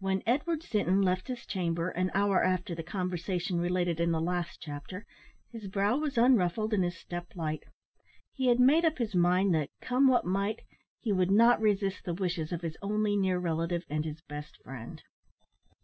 When Edward Sinton left his chamber, an hour after the conversation related in the last chapter, his brow was unruffled and his step light. He had made up his mind that, come what might, he would not resist the wishes of his only near relative and his best friend.